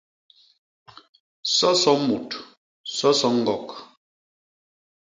Soso mut, soso ñgok.